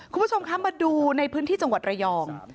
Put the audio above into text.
คุณผู้ชมคะมาดูในพื้นที่จังหวัดระยอง